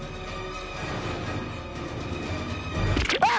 あっ！